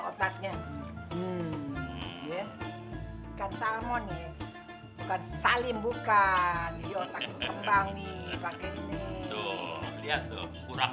otaknya ikan salmon nih bukan salim bukan otaknya kembang nih begini lihat tuh kurang